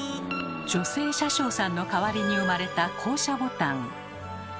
女性車掌さんの代わりに生まれた降車ボタン。